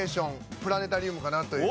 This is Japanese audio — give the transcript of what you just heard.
プラネタリウムかなという。